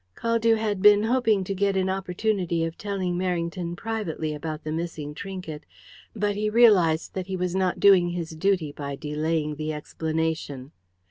Caldew had been hoping to get an opportunity of telling Merrington privately about the missing trinket, but he realized that he was not doing his duty by delaying the explanation.